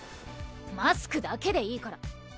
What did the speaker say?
マスクだけでいいから。